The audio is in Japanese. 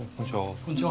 こんちは。